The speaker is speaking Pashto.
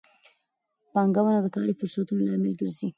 پانګونه د کاري فرصتونو لامل ګرځي.